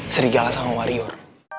serigala sama warior